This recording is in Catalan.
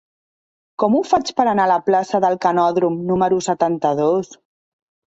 Com ho faig per anar a la plaça del Canòdrom número setanta-dos?